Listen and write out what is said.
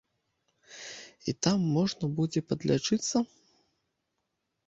І там можна будзе падлячыцца?